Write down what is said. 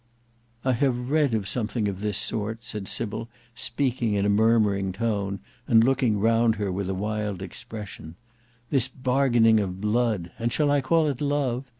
'" "I have read of something of this sort," said Sybil, speaking in a murmuring tone, and looking round her with a wild expression, "this bargaining of blood, and shall I call it love?